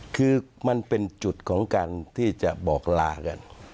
คือมันเป็นจุดของการที่จะบอกลากัน